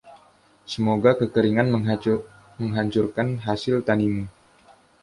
Semoga kekeringan menghancurkan hasil tani-mu.